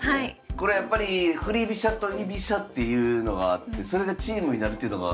これやっぱり振り飛車と居飛車っていうのがあってそれがチームになるっていうのが面白いポイントですね。